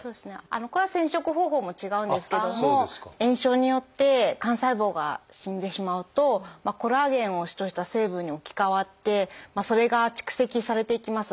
これは染色方法も違うんですけども炎症によって肝細胞が死んでしまうとコラーゲンを主とした成分に置き換わってそれが蓄積されていきます。